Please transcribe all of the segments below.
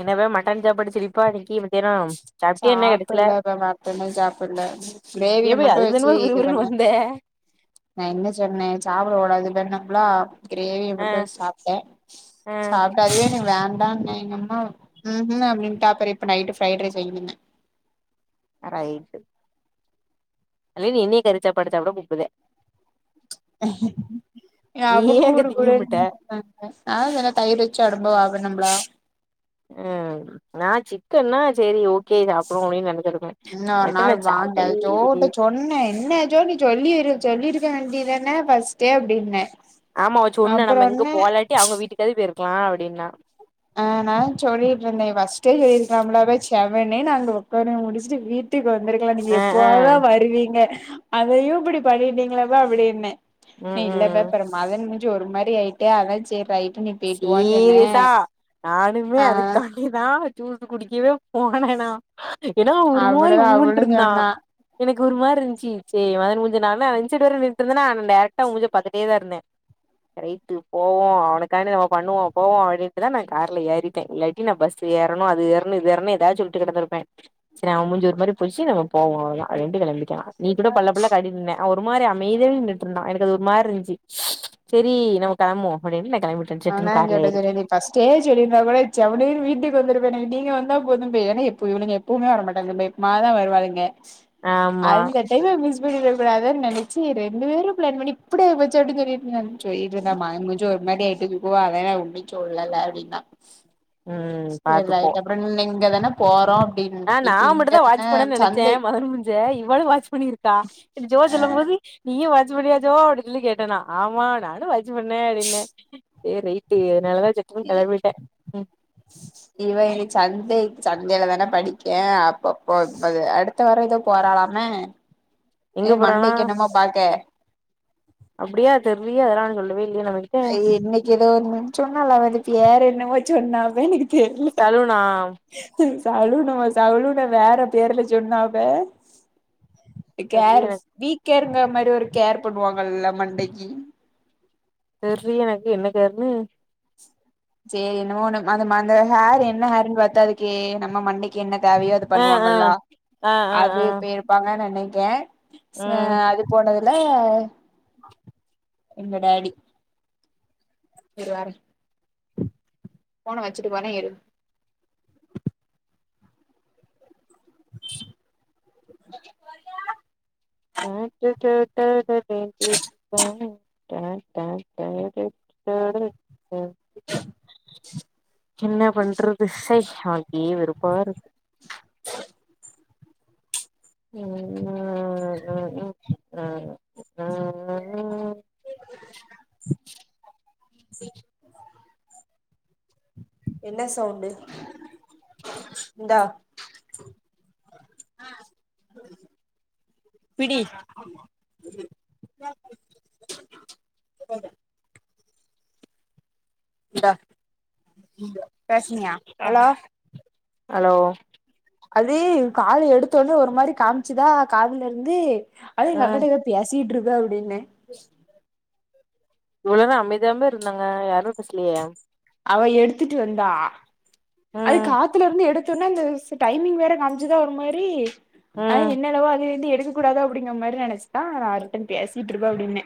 என்னவே மட்டன் சாப்பாடுச்சிரிப்பா இன்னிக்கி மத்தியானோ சாப்ட்டியா என்ன கடசில சாப்புட்ல இப்ப மட்டனே சாப்புட்ல ஏ கிரேவிய பிய மட்டு வச்சு அதுக்குதான இது விறுவிறுன் பண்ண வந்தே நா என்ன சொன்னே சாப்பிடக்கூடாதுன் சொன்னம்லா கிரேவிய ஆ மட்டூ சாப்ட்டே ஆ சாப்ட்டு அதுவே எனக் வேண்டான்னே எங்கம்மா ம்ம் அப்டின்டாப்பறே இப்ப நைட்டு ஃப்ரைட் ரைஸ் வைங்கன்னே ரைட்டு அதுலே நீ என்னைய கறிச்சாப்பாடு சாப்ட கூப்புதே ஏ நீ அப்ப ஏன் அங்க கூடு திங்கம்புட்ட கூடாதுன் சொன்னே ஆ தென தயிர் வச்சு ஒடம்ப வாகனும்ப்ளா ம் நா சிக்கன்னா சேரி ஓகே சாப்டுவோ அப்டின் நெனச்சேடுப்பே இன்னொரு நாள் வாங்க ஜோட்ட சொ சொன்னே என்ன ஜோ நீ சொல்லி இரு சொல்லிருக்க வேண்டிதான ஃபஸ்டே அப்டின்னே ஆமா வச்சு ஒன்னு அப்றோ நம்ம இங்க என்ன போலாட்டி அவுங்க வீட்டுக்காது போயிருக்கலா அப்டின்னா ஆ நா சொல்லிட்ருந்தே ஃபஸ்ட்டே போயிருக்கலாம்ல அவ செவனேன்னு அங்க ஒர்க்கலா முடிச்சுட்டு வீட் ட்டிக்கு வந்துருக்கலா நீங்க ஆ ஆ எப்பவாதுதா வருவீங்க அதையு இப்டி பண்ணிட்டீங்களப்பா அப்டின்ன ம் மே இல்லப்ப ம் அப்பற மதன் மூஞ்சு ஒரு மாரி ஆயிட்டு அதா சேர் ரைட்டு நீ போயிட்டு வான்னு சொன்னே சீரியசா நானுமே ஆ அதுக்காண்டி தா ஜூசு குடிக்கவே போனே நா ஏனா அவ ஒரு மாரி அப்டிதா அவளு உம்முன்டுருந்தா சொன்னா எனக்கு ஒரு மாரிருந்துச்சு சேரி மதன் மூஞ்சி நா வேணா அந் சைட் வேற நின்னுட்ருந்தேனா நா டேரக்டா அவ மூஞ்ச பாத்துட்டே தாருந்தே ரைட்டு போவோ அவுனுக் காணு அவ பண்ணுவோ போவோ அப்டின்ட்டு தா நா கார்ல ஏறிட்டே இல்லாட்டி நா பஸ்ல ஏறணு அது ஏறனு இது ஏறனு எதாச்சு ட்டு கெடந்துருப்பே சரி அவ மூஞ்சி ஒரு மாரி போச்சு நம்ம போவோ அவ்ளோ தா அப்டின்ட்டு கெளம்பிட்டே நா நீ கூட பல்ல பல்ல காட்டிட்டு நின்ன அவ ஒரு மாரி அமைதியா நின் ன்னா எனக்கு அது ஒரு மாரி இன்ச்சு சேரி நம்ம கெளம்புவோ அப்டின்ட்டு நா கெளம்பி ஆனா [unintelligible] ஃபஸ்ட்டே சொல்லிருந்தா கூட செவனேன் வீட்டுக்கு வந்துருப்பனே நீங்க வந்தா போதுமே ஏனா இப்போ இவளுங்க பூமே வர மாட்டாங்க [unintelligible] மா தா வருவாளுங்க ஆமா அதுந்த ட்ரெயின மிஸ் பண்ணிட கூடாதுன் நெனச்சு ரெண்டு பேரு பிளான் பண்ணி இப்டே ஆயிடுச்சே சொல்லிட்டு இருந்தா சொல்லிட்ருந்தா மதன் மூஞ்சி ஒரு மாரி ஆயிட்டுங்கோ அதா நா உன்னு சொல்லல அப்டின்னா ம் சேரி பாத்துக்கோ ரைட்டு அப்றன் நீ இங்க தானா ஆ நா மட்டுந்தா வாட்ச் பண்ணன் நெனைச்சே சந்தை மதன் மூஞ்ச இவளு வாட்ச் பண்ணிருக்கா ஜோ சொல்லம்போது நீயு வாட்சு பண்ணியா ஜோ அப்டின் சொல்லி கேட்டே நா ஆமா நானு வாட்சு பண்ணே அப்டின்னே சேரி ரைட்டு இதனால தா செக்குனு கெளம்பிட்டே இவ இன்னைக் சண்டே சண்டேல தான படிக்கே அப்பப்போ [unintelligible] அடு த்த வாரோ எதோ போறாலாம எங்க என போறானா மண்டைக்கு என்னமோ பாக்க அப்டியா தெர்லியே அதல்லா சொல்லவே இல்லையே நம ஆ இன்னைக்கு எதோ ஒன்னு சொன்னாலே அவ நேத்தி ஏற என்னவோ சொன்னா அவ எனக்கு தெர்ல சலுனா சலனு அவ சலுன வேற பேர்ல சொன்னாப்ப தெர்லயே கேர் எனக்கு வீ கேர் இங்குற மாரி ஒரு கேர் பண்ணுவாங்கல்ல மண்டைக்கு தெர்லியே எனக்கு என்ன கேருன்னு சரி என்னவோ ஒன்னு மத அந்த ஹேர் என்ன ஹேர்ன்னு பாத்து அதுக்கு நம்ம மண்டை என்ன தேவையோ அது ஆ ஆ பண்ணுவாங்கல்லா ஆ அது ஆ பேய்ருப்பாங்கன் நெனைக்கே ச ஆ அது போனதுல எங்க டாடி இரு வாரே ஃபோன வச்சுட்டு வாரே இரு [unintelligible] [unintelligible] ட என்ன பண்றது ச்சை வாழ்க்கையே வெறுப்பா இருக்கு ம் ம் ம் ம். ம். ச என்ன சவுண்டு இந்தா படி ஹலோ ஹலோ? அது காலு எடுத்தொனே ஒரு மாரி காமிச்சுதா காதுலருந்து அது எங்க ம் அக்காட்ட பேசிட்ருக்க அப்டின்னே. இவ்ள் நேரோ அமைதியாவுமே இருந்தாங்க யாருமே பேசலயே. அவ எடுத்துட்டு வந்தா அது ம் காத்துல இருந்து எடுத்தொன்னே அந்த ஸ் டைமிங் வேற காம்ச்சுதா ஒரு மாரி அ ம் என்னெலவோ அதுலருந்து எடுக் கூடாது அப்டிங்க மாரி நெனச்த்தா ரிட்டன் பேசிட்ருப்பா அப்டின்னே.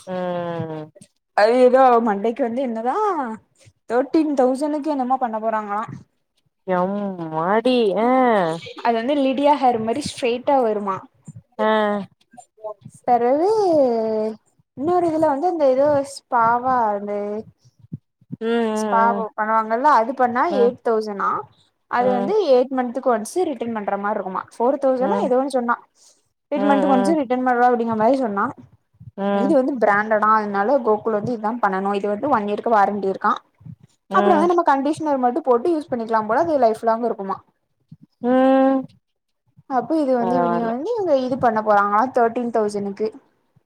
ம் ம் ம். அது எதோ அவ மண்டைக்கு வந்து என்னதா தேட்டீன் தௌசனுக்கு என்னமோ பண்ண போறாங்களா. எம்மாடி எ அது வந்து லிடியா ஹேர் மாரி ஸ்ட்ரெய்ட்டா வருமா. அ ஸ் பெறவு இன்னொரு இதுல வந்து அந்த எதோ ஸ்பாவா அது ஸ்பாவோ ம் பண்ணுவாங்கள்லா அது பண்ணா ம் எய்ட்தௌசனா அது ம் வந்து ஏ ட் மந்துக்கு ஒன்ஸு ரிட்டன் பண்ற மார்ருக்குமா. ஃபோர் ம் தௌசணா ம் எதோ ஒன்னு சொன்னா எய்ட் மந்த்க்கு ம் ஒன்ஸு ரிட்டன் பண்ற அப்டிங்கற மாரி சொன்னா. ம் இது வந்து பிராண்டடா அதனால கோகுல் வந்து இதா பண்ணணு இது வந்து ஒன்இயர்கு வாரண்டி இருக்கா. அப்பறமே ம் நம்ம கண்டிஷ்னர் மட்டு போட்டு யூஸ் பண்ணிக்லாம் போல அது லைஃப்லாங் இருக்குமா. ம் அப்போ இது வந்து இவிங்க பரவால்ல வந்து இவுங்க இது பண்ண போறாங்களா தேட்டீன் தௌசணுக்கு.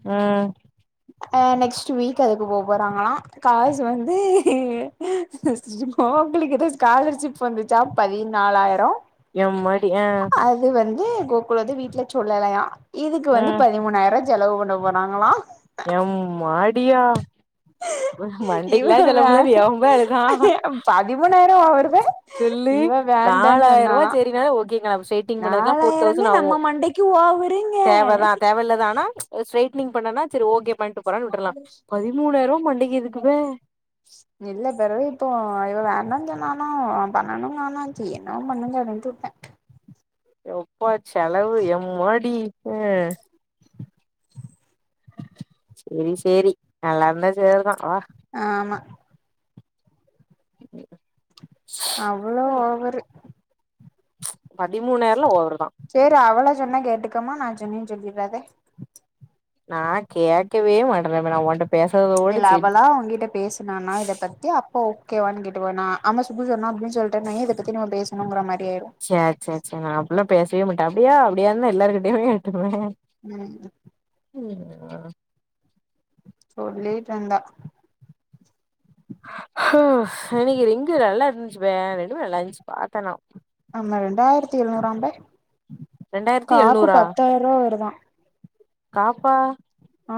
ம். அ நெக்ஸ்ட் வீக் அதுக்கு போ போறாங்களா. காசு வந்து [unintelligible] ஸ்காலர்ஷிப் வந்துச்சா பதிநாலாயிரோ. யம்மாடி அ அது வந்து கோகுல் வந்து வீட்ல சொல்லலையா இதுக்கு வந்து ம் பதிமூணாயிருவா செலவு பண்ண போறாங்களா. யம்மாடியா இவ மண்டைக்லா செலவு பண்லன் எவ போய் அழுதா. பதிமூணாயிருவா வருது. சொல்லு நாலாயிருவா செரினாதா ஓகேங்ளா செயிட்டிங் பண்ணதுக்லா ஃபோர் நாலாயிரமே தௌசண் ஆவு. நம்ம மண்டைக்கு ஓவருங்க தேவதா தேவல்லதா ஆனா அ ஸ்ட்ரெட்னிங் பண்ணனா செரி ஓகே பண்ட்டு போறான் விட்டரலா பதிமூணாயிருவா மண்டைக்கி எதுக்கு பே இல்ல பெறவு இப்போ இவ வேண்டான் சொன்னானா பண்ணணுனானா சே என்னவோ பண்ணுங்க அப்டின்ட்டு உட்டே. எப்பா செலவு எம்மாடி அ செரி சேரி நல்லார்ந்தா சேர்தா வா. ஆமா. [inaudible] அவ்வுளோ ம் ஓவ்வரு பதிமூணாயிரலா ஓவரு தா சேரி அவ்வள சொன்னா கேட்டுக்கம்மா நா சொன்னேன்னு சொல்லிறாத நா கேக்கவே மாட்டேன்ல மே நா ஓண்ட பேசாத உ இல்ல அவளா உங்கிட்ட பேசு ப்நானா இதப்பத்தி அப்ப ஓகேவான்னு கேட்டுவ நா அமா சுப்பு சொன்னா அப்டின் சொல்ட்டன் வைய இத பத்தி நம்ம பேசுணுங்கிற மாரியாயிரு ச ச ச நா அப்பிலாம் பேசவே மாட்ட அப்டியா அப்டியான்தா எல்லாருகிட்டையு கேட்டுகுவே ம் [unintelligible] சொல்லீட்ருந்தா இன்னிக்கு ரிங்கு நல்லா இருந்துச்சுப்பே ரெண்டுமே நல்லா இருந்துச்சுப்பாத்தனா ஆமா ரெண்டாயிரத்தி எழுநூறாம்ப ரெண்டாயிரத்தி காப்பு எழுநூறா பத்தாயிரூவா வருதா காப்பா ஆ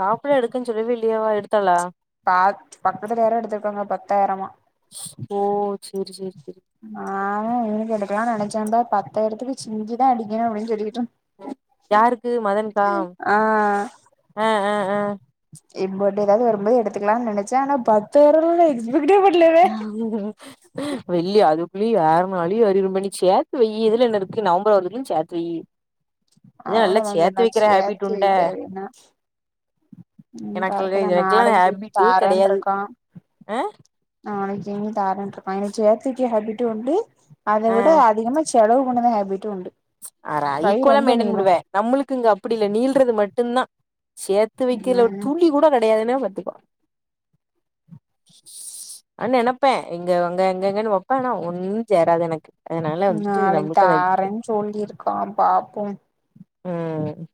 காப்புலா எடுக்கன் சொல்லவே இல்லையே அவ எடுத்தாளா பாத் பக்கத்துல யாரோ எத்துருக்காங்க பத்தாயிரமா ஓ சேரி சேரி சேரி நானே எனக்கெடுக்கலானு நெனச்சேந்த பத்தாயிரத்துக்கு சிங்கிதா அடிக்கணு அப்டின்னு சொல்லிகிட்ருந் யாருக்கு மதன்கா ஆ அ அ அ இப்போட்டு ஏதாவ்து வரும்போது எடுத்துக்லான் நெனச்ச ஆனா பத்தாயிர [unintelligible] விக்டி பட்ல யாஹுஹும் வெள்ளிய அதுக்குள்ளய யார்னாலளயு அறிவுறும்பண்ணி சேர்த்து வையி இதுல என்ன இருக்கு நவம்பர் வர்ரதுக்குள்ளயு சேர்த்து து வையி நல்லா சேர்த்து அவ்ளோதா வைக்கிற ஹேபிட் சேத்து உண்டா வைடா அப்டின்னா ம் கரெக்ட் தா எனக்கெல்லா நாளைக்கு சீட் ஹேபிட்டே கெடையாது தாரேன்ருக்கா ஆ நாளைக்கு செயின் தாரேன்ருக்கா எனக்கு சேத்துவக்கிற ஹாபிட் உண்டு அத ஆ விட அதிகமா செலவு பண்ணுத ஹபிட்டு உண்டு அட கை ஈக்குவலா ரொம்ப மெயின்டன் நீளு பண்ணுவ நம்மளுக்கு இங்க அப்டி இல்ல நீள்றது மட்டுந்தா சேத் து வைக்கல ஒரு ம் துளி கூட கெடையாதுன்னா பாத்துக்கோ அண் நெனப்பே இங்க உங்க எங்க எங்கன்னு வைப்பேனா ஒன்னு சேராது எனக்கு அதனால வந்துட்டு நாளைக்கு நம்மளுக்கு அத தாரேன்னு சொல்லிருக்கா பாப்போம் ம்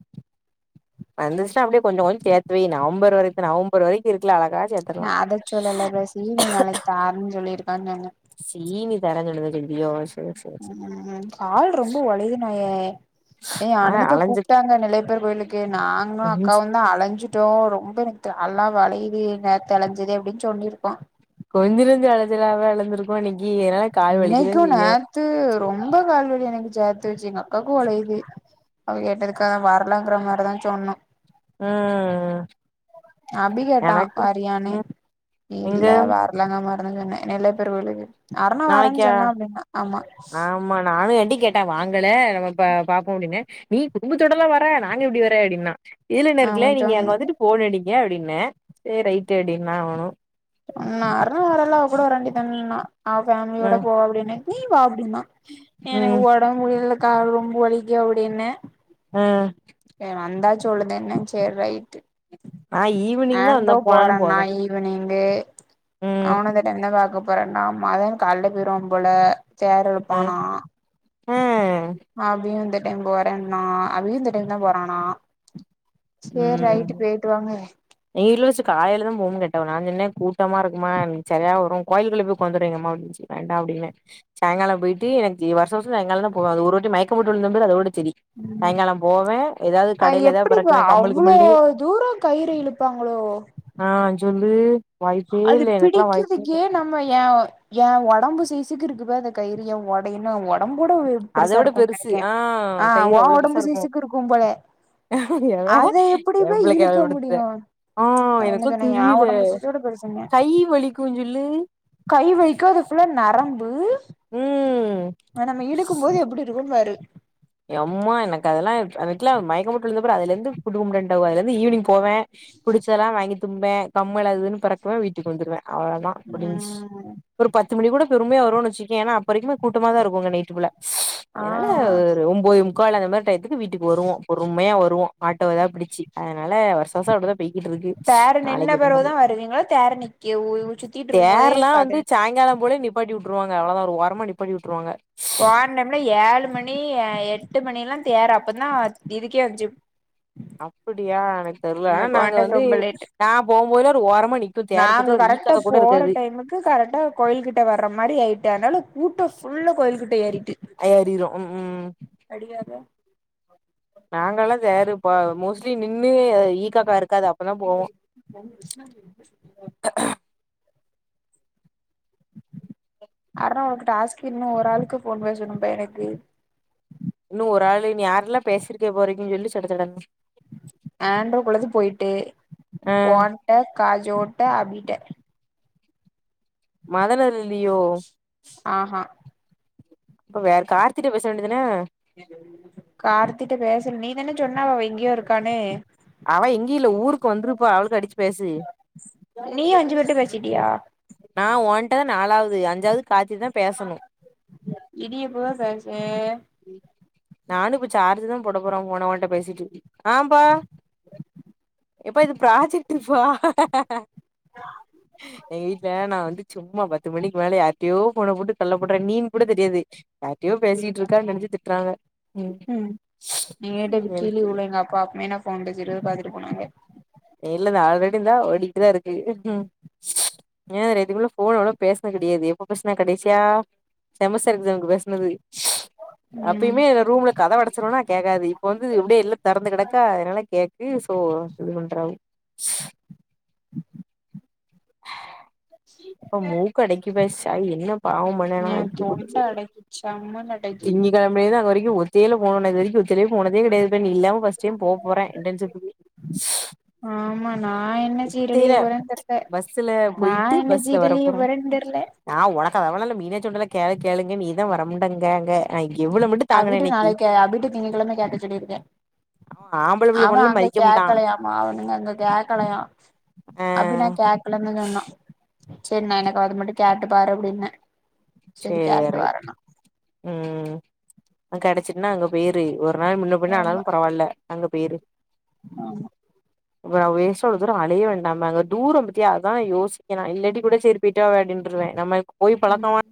வந்துச்ன்னா அப்டியே கொஞ்சோ கொஞ்சோ சேர்த்துவை நவம்பர் வரைக்கு நவம்பர் வரைக்கு இருக்குல அழகா சேத்தர்லா நா அத சொல்லல இப்ப சீனு நாளைக்கு தாரன்னு சொல்லிருக்கான்னு சொன்ன சீனு தரேன்னு சொன்னத சொன்னிடியோ ம் ம்ம் ஆள் ரொம்ப ஒழயனுயே ஏ ஆ ஆனந்தக்கா அலஞ்சு கூப்ட்டாங்க நெல்லயப்பர் கோயிலுக்கு நானு கொஞ்சு அக்காவு தா அலஞ்சு டோ ரொம்ப எனக்கு கால்லா வளையுது நேத்தழஞ்சுதே அப்டின்னு சொல்லிருக்கோ கொஞ்சனஞ்ச அலச்சலாவா அலந்துருக்கோ இன்னக்கி என்னால காலு வலிக்கதா செய்யு த்து ரொம்ப கால்வலி எனக்கு சேத்து வச்சி எங்க அக்காகு வழையுது அவ கேட்டதுக்காகா வரலங்கிற மாரிதா சொன்னா ம் அபி கேட்டா எனக்கு வரியானு ம் இல்ல எங்க வேற லங்க மறந்து சொன்னே நெல்லயப்பர் கோயிலுக்கு அரணா வரேன்னு நாளைக்கா சொன்னா அப்டின்னா ஆமா ஆமா நானுங்காட்டி கேட்டே வாங்கலே நம்ம ப பாப்போ அப்டின்னு நீ குடும்பத்தோடல்ல வர்ர நாங்க எப்டி வர அப்டின்னா இதுல என்ன ஆமா இருக்குல நீங்க சொன்னே அங்க வந்துட்டு ஃபோன் அடிங்க அப்டின்ன சேரி ரைட்டு அப்டின்னா அவணு நா அருணா வரால்ல அவ கூட வர வேண்டிதன்னா அவ ஃபேமிலியோட ம் போ அப்டின்னு நீயும் வா அப்டினா எனக்கு ம் ஒடம்பு முடில கால் ரொம்ப வலிக்கு அப்டின்னே அ வந்தா சொல்லுதேன சேரி ரைட்டு நா ஈவினிங் தா வந்தா ஆண்ட்ரோ போனாலு போறனா போவே இப்ப நீங்க ம் அவனதான என்ன பாக்க போறன்னா மதன் காலைலயே போய்ருவான் போல சேர் ம் இலுப்பானா ஆ அபியும் இந்த டைம் போறேண்ணா அபியும் இந்த டைம்தா போறானா சேரி ரைட்டு ம் போயிட்டு வாங்க எங்க வீட்ல வெச்சுட்டு காலைலதா போம் கேட்டவ நான் சொன்னே கூட்டமா இருக்குமான் சரியா வரு கோயில்கள்ள போய் உக்காந்துருவேன் எங்கம்மா வீட்டுக்கு ச் வேண்டா அப்டின்னே சாய்ங்காலோ போய்ட்டு என்க்கு வருஷோ வருஷோ சாய்ங்காலந்தா போவன் அது ஒருவாட்டி மயக்கம் போட்டு விழுந்தம்பார் அதோட செரி ம் சாய்ங்காலோ போவேன் எதாவது அ கடைல எதாவது பெ எப்டிப்பா அவ்ளோ தூரோ கயிற இழுப்பாங்ளோ ஆன் சொல்லு வாய்ப்பே அது இல்லை எனக்கெல்லா வாய்ப்பேல்ல பிடிக்கிறதுக்கே நம்ம என் என் ஒடம்பு சைசுக்கு இருக்குப்பா அந்த கயிறு என் ஒடயன்னு ஒடம்போட அத பெருசா விட இருக்கும் பெருசு நெனைக்கேன் ஆ ஆ கயிறு உன் அவ்ளோ ஒடம்பு பெருசா இருக்கு சைக்கு இருக்கும்போல அது எப்டி என் பா புள்ளைக்கு இழுக்க முடியு கேவலப்படுத்திட்டே ஆ அப்டின்னு எனக்கெல்லா சொன்ன என் தெரியல ஒடம்பு கூட பிரச்சனை கை வலிக்கு சொல்லு கை வைக்க அது ஃபுல்லா நரம்பு ம் நம்ம இழுக்கும்போது எப்டி இருக்குன்னு பாரு எம்மா எனக்கு அதெல்லா அன்னைக்கெல்லா மயக்கம்போட்டு விழுந்தகப்றோ அதுலருந்து குடுக்க முடியாதுன்ட்டாங்கோ அதுலுந்து ஈவ்னிங் போவேன் புடிச்சதெல்லா வாங்கி திம்பேன் கம்ல்லாதுன்னு பிறக்குவேன் வீட்டுக்கு வந்துருவேன் அவ்ளதா முடிஞ்சு ம் ஒரு பத்து மணி கூட பொறுமயா வருவோனு வெச்சுக்கவே ஏன்னா அப்ப வரைக்குமே கூட்டமாதா இருக்கு அங்க நைட் ஃபுல்லா ஆ என்னால ஒன்பதே முக்கால் அந்த மாரி டையத்துக்கு வீட்டுக்கு வருவோ பொறுமயா வருவோ ஆட்டோவதா புடிச்சி அதனால வருஷோ வருஷோ அப்டிதா போய்கிட்டு இருக்கு தேர நின்ன நாளைக் பெறவுதா எப்டினு வருவீங்களா தேர நிக்க உ சுத்திட்டு இருக்கும் போதே தேர்ல்லா வந்து பாத்து சாய்ங்காலோ போல நிப்பாட்டி விட்டுருவாங்க அவ்ளதா ஒரு ஓரமா நிப்பாட்டி விட்டுருவாங்க போன டைம்ல்லா ஏழு மணி எட்டு மணியெல்லா தேறு அப்பதா இதுக்கே வந்ச்சு அப்டியா எனக் தெர்ல நம்ம போன நாங்க டைம் வந்து ரொம்ப லேட் நா போம்போதெல்லா ஒரு ஓரமா நிக்கு தேரப்பத்துல ஒரு இ காக்கா கூட இருக்காது கு கரெக்டா கோயில்கிட்ட வர்ற மாரி ஆயிட்ட அனால கூட்டோ ஃபுல்லா கோயில்கிட்ட ஏறிட்டு அ ஏறிறும் ம்ஹும் அடியாக நாங்கெல்லா தேருப் போ மோஸ் ட்லி நின்னு ஈ காக்கா இருக்காது அ [inaudible] [inaudible] அர்ணா உனக்கு டாஸ்க்கு இன்னு ஒரு ஆளுக்கு ஃபோன் பேசணும்பா எனக்கு இன்னு ஒரு ஆளு இன்னு யாரெல்லா பேசிருக்க போறீங்கன்னு சொல்லி சடச்சட ஆண்ரோக்குள்ளது போய்ட்டு ஆ ஓன்ட்ட, காஜோட்ட, அபிட்ட மதன் அதுல இல்லையோ ஆ ஹா அப்ப வேற கார்த்திட்ட பேச வேண்டிதான கார்த்திட்ட பேசல நீ தான சொன்ன அவ வை அவ இங்கில்ல ஊருக்கு வந்துருப்பா அவுளுக்கு அடிச்சு பேசு நீ அஞ்சு பேர்ட பேசிட்டியா நா ஓன்டதா நாலாவது அஞ்சாவது கார்திதா இது எப்போ சாச்சே நானு இப்ப சார்ஜ் தா போட போறோ ஃபோன உங்கிட்ட பேசிட்டு ஆம்ப்பா எப்பா இது ப்ராஜெக்ட்ங்ப்பா எங்க வீ ஏன்னா வந்து சும்மா பத்து மணிக்கு மேல யாரிட்டையோ ஃபோன போட்டு கல்ல போட்ற நீன் கூட தெரியாது யார்டையோ பேசிட்டு இருக்கான்னு நெனசு திட்டுறாங்க ம் நீங்க [unintelligible] எங்க அப்பா [unintelligible] ஃபோன் பேசிட்டு இருக்குறத பாத்துட்டு போனாங்க இல்ல ந ஆல்ரெடிந்தா ஓடிக்ட்டுதா இருக்கு ஏ ரெண்டு பேரு ஃபோன்ல கூட பேசின கிடையாது எப்ப பேசுன கடைசியா செமஸ்டர் எக்ஸாம்க்கு பேசனது ம் அப்பயுமே என ரூம்ல கத வடைச்சிருவனா கேக்காது இப்ப வந்து இப்டியே இல்ல தெறந்து கிடக்கா அதனால கேக்கு சோ இது பண்றாவு சிரி இப்ப மூக்கடைக்குப்ப சளி என்ன பாவம் பண் ஏ தொண்ட அடச் சம்முன்னு திங்ககெழம் இப்யேதா அங்க வரைக்கு ஒத்தைல போனது இது வரைக்கு ஒத்தைலே போனதே கிடையாதுப்பா நீ இல்லாம பாஸ்ட் டைம் போ போற இன்டஷிப்கு ஆமா நா என்ன ஒத்தையில சீரழியப் போறேன்னு தெர்ல பஸ்ல நா என்ன சீரழியப் போறேன்னு தெர்ல ஆ உனக்கு அதவள இல்ல மீனச்சிஉண்டல்ல கேளு கேளுங்க நீதா வரமண்டங்க அங்க அபிட்டு நாளைக்கி அபிட்டு திங்க கெழமை கேக்க சொல்லிருக்கே அவ ஆம்பள புள்ள அவ போனாலு அங்க மதிக்க முட்டா கேகலயா மா அவனுங்க அங்க கேக்கலையா ஆ அபிநா கேகலனு தா சொன்ன செரி நா எனக்கு அது மட்டு கேட்டு பாரு அப்டின்ன சேரி ம் கெடைச்சட்டுன்னா அங்க போய்ரு ஒர்க் ஒர்னாள் முன்ன பின்ன ஆமா ஆனாலு பரவாயில்ல அங்க பேய்ரு ஆமா நா வேஸ்டா இவ்ளோ தூர அலைய வேண்டாம அது ஒரு தூர பத்தியா அதா யோசிக்ர இல்லாட்டி கூட சேரி போய்ட்டு வா அப்டின்ருவே நமக்கு போய் ம் பழக்கம